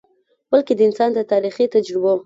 بلکه د انسان د تاریخي تجربو ،